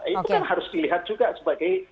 itu kan harus dilihat juga sebagai